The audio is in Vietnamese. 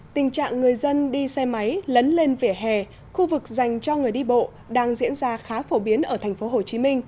tình trạng người dân đi xe máy lấn lên vỉa hè khu vực dành cho người đi bộ đang diễn ra khá phổ biến ở tp hcm